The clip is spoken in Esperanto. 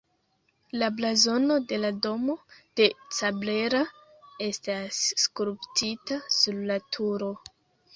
La blazono de la Domo de Cabrera estas skulptita sur la turo.